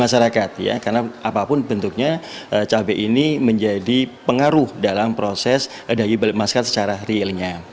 di masyarakat ya karena apapun bentuknya cabai ini menjadi pengaruh dalam proses daya beliung masyarakat secara realnya